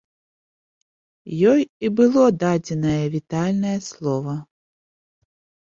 Ёй і было дадзенае вітальнае слова.